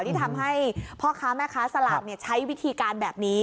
ที่ทำให้พ่อค้าแม่ค้าสลากใช้วิธีการแบบนี้